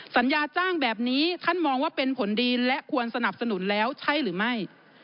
สัญญาจ้างแบบนี้ท่านมองว่าเป็นผลดีและควรสนับสนุนแล้วใช่หรือไม่